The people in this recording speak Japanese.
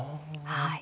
はい。